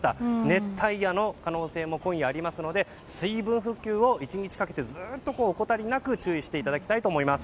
熱帯夜の可能性も今夜ありますので水分補給を１日かけてずっと怠りなく注意していただきたいと思います。